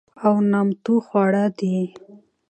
او نامتو خواړه دي،